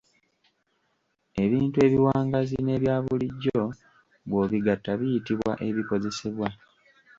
Ebintu ebiwangaazi n’ebya bulijjo bw’obigatta biyitibwa ebikozesebwa.